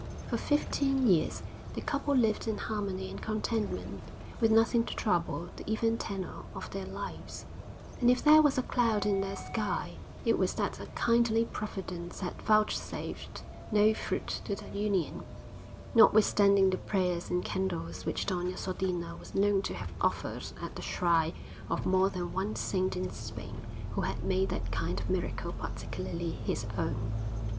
For fifteen years the couple lived in harmony and contentment, with nothing to trouble the even tenor of their lives; and if there was a cloud in their sky, it was that a kindly Providence had vouchsafed no fruit to the union, notwithstanding the prayers and candles which Doña Sodina was known to have offered at the shrine of more than one saint in Spain who had made that kind of miracle particularly his own.